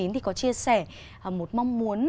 thì có chia sẻ một mong muốn